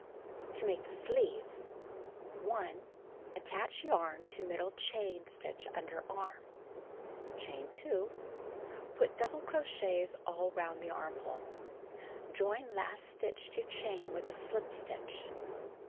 To Make the Sleeve: 1. Attach yarn to middle chain stitch underarm. Chain 2. Put double crochets all round the armhole. Join last stitch to chain with a slip stitch.